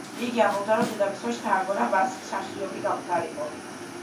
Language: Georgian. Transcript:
იგი ამბობდა, რომ დედამისმა შთააგონა მას მსახიობი გამხდარიყო.